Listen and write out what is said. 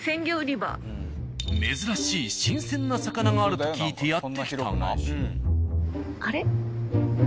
珍しい新鮮な魚があると聞いてやって来たが。